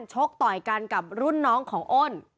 ชกต่อยกันกับรุ่นน้องของอ้น